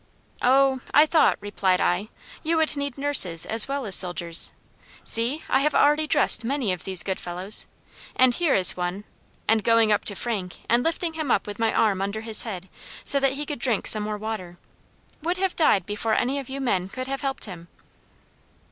"'O, I thought,' replied I, 'you would need nurses as well as soldiers. See! I have already dressed many of these good fellows; and here is one' and going up to Frank and lifting him up with my arm under his head so that he could drink some more water 'would have died before any of you men could have helped him.'